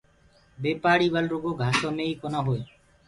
بي پآڙيِ ول رُگو گھآسو مي ئي ڪونآ هئي۔